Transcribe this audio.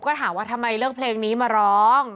ก็ถามว่าทำไมเลือกเพลงนี้มาร้อง